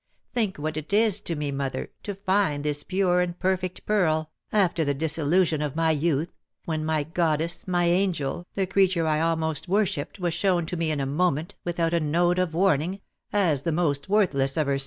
Think what it is to me, mother, to find this pure and perfect pearl — after the disillusion of my youth — when my goddess, my angel, the creature I almost wor shipped, was shown to me in a moment — without a note of warning — as the most worthless of her